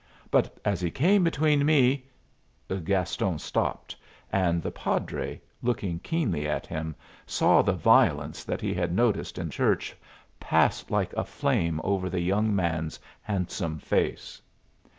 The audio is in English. But as he came between me " Gaston stopped; and the padre, looking keenly at him, saw the violence that he had noticed in church pass like a flame over the young man's handsome face.